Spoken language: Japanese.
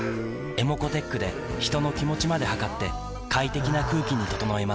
ｅｍｏｃｏーｔｅｃｈで人の気持ちまで測って快適な空気に整えます